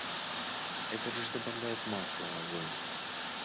Это лишь добавляет масла в огонь.